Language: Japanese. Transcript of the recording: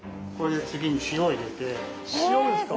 塩ですか？